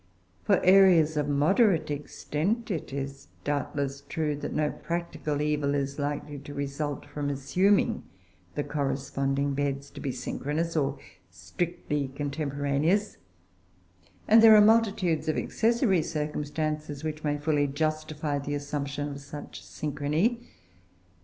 For areas of moderate extent, it is doubtless true that no practical evil is likely to result from assuming the corresponding beds to be synchronous or strictly contemporaneous; and there are multitudes of accessory circumstances which may fully justify the assumption of such synchrony.